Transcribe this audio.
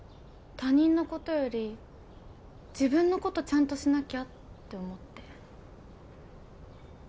他人のことより自分のことちゃんとしなきゃって思って。